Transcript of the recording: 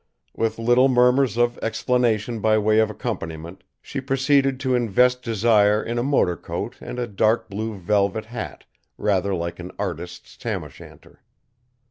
With little murmurs of explanation by way of accompaniment, she proceeded to invest Desire in a motor coat and a dark blue velvet hat rather like an artist's tam o'shanter.